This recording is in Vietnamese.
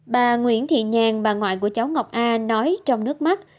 bà nguyễn thị nhàn bà ngoại của cháu ngọc a nói trong nước mắt